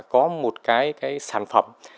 có một cái sản phẩm